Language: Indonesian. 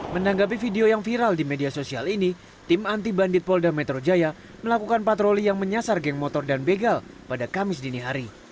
menanggapi video yang viral di media sosial ini tim anti bandit polda metro jaya melakukan patroli yang menyasar geng motor dan begal pada kamis dini hari